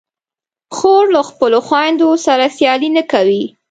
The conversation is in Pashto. خور له خپلو خویندو سره سیالي نه کوي.